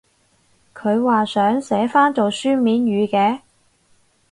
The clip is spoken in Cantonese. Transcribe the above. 佢話想寫返做書面語嘅？